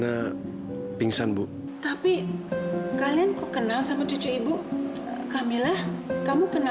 ma ga ada forgotten fo duty kayanya